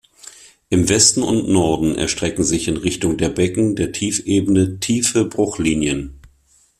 Im Westen und Norden erstrecken sich in Richtung der Becken der Tiefebene tiefe Bruchlinien.